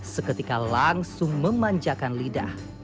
seketika langsung memanjakan lidah